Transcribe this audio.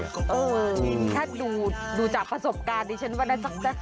เออถ้าดูดูจากประสบการณ์ดิฉันว่าได้สักสัก๕